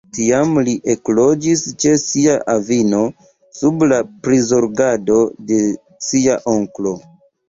Tiam li ekloĝis ĉe sia avino sub la prizorgado de sia onklo.